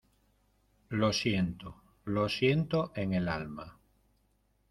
lo siento, lo siento en el alma.